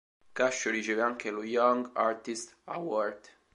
Cascio riceve anche lo Young Artist Award.